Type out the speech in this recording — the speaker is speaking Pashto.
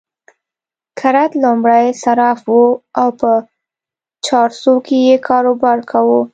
کرت لومړی صراف وو او په چارسو کې يې کاروبار کاوه.